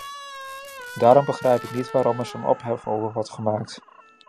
Daarom begrijp ik niet waarom er zo'n ophef over wordt gemaakt.